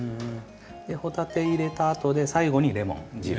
ほたて入れたあとで最後にレモン汁。